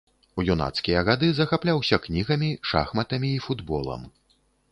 У юнацкія гады захапляўся кнігамі, шахматамі і футболам.